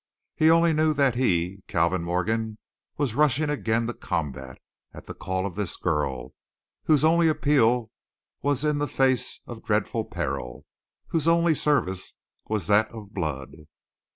He only knew that he, Calvin Morgan, was rushing again to combat at the call of this girl whose only appeal was in the face of dreadful peril, whose only service was that of blood.